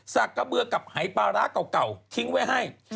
กระเบือกับหายปลาร้าเก่าทิ้งไว้ให้